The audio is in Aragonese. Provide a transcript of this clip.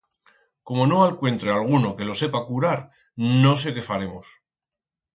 Como no alcuentre alguno que lo sepa curar no sé que faremos.